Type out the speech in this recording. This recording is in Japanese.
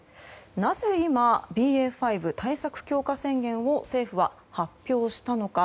なぜ今ＢＡ．５対策強化宣言を政府は発表したのか。